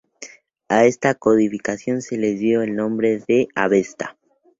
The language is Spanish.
A esta codificación se le dio el nombre de avesta.